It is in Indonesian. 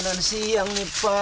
morning kita berdua